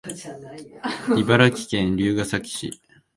茨城県龍ケ崎市